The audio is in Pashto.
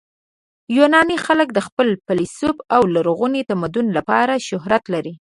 یوناني خلک د خپل فلسفې او لرغوني تمدن لپاره شهرت لري.